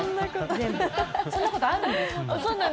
そんなことあるんです。